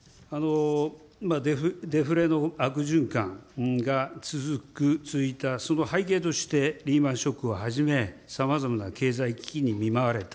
デフレの悪循環が続く、続いたその背景として、リーマンショックをはじめ、さまざまな経済危機に見舞われた。